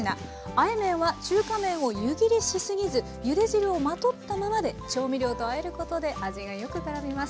あえ麺は中華麺を湯切りしすぎずゆで汁をまとったままで調味料とあえることで味がよくからみます。